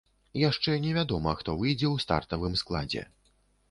Яшчэ не вядома, хто выйдзе ў стартавым складзе.